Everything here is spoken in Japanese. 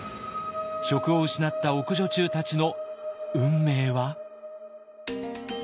職を失った奥女中たちの運命は。